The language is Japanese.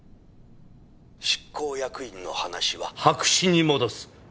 執行役員の話は白紙に戻す。